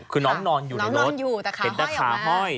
คือน้องนอนอยู่ในรถเห็นตะขาห้อย